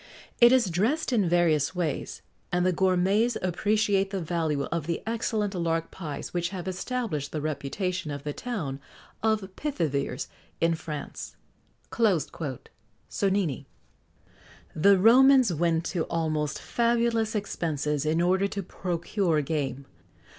It is dressed in various ways; and the gourmets appreciate the value of the excellent lark pies which have established the reputation of the town of Pithiviers in France." SONNINI. The Romans went to almost fabulous expenses in order to procure game.